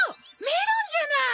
メロンじゃない！